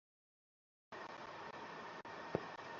কোনো কিছু মনে রাখতে চাইলে বিষয়টির একটা ছবি আঁকতে পারেন মনে মনে।